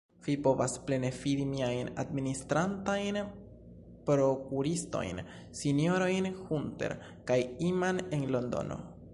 Vi povas plene fidi miajn administrantajn prokuristojn, sinjorojn Hunter kaj Inman en Londono.